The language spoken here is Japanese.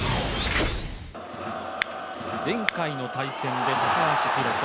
前回の対戦で高橋宏斗